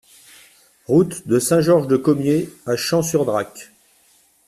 Route de Saint-Georges-de-Commiers à Champ-sur-Drac